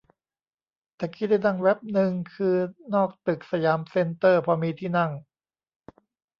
ตะกี้ได้นั่งแว๊บนึงคือนอกตึกสยามเซ็นเตอร์พอมีที่นั่ง